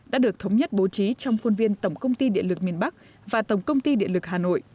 đã được thống nhất bố trí trong khuôn viên tổng công ty điện lực miền bắc và tổng công ty điện lực hà nội